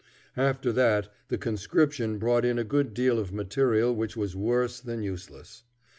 After that the conscription brought in a good deal of material which was worse than useless.